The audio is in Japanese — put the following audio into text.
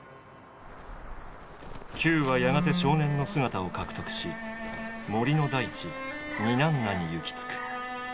球はやがて少年の姿を獲得し森の大地ニナンナに行き着く。